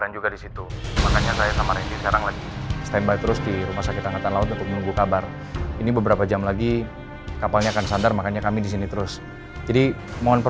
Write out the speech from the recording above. jadi aldebaran masih hidup